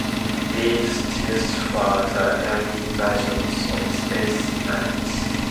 These suits were the early versions of space suits.